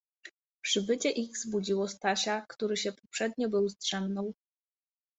Przybycie ich zbudziło Stasia, który się poprzednio był zdrzemnął.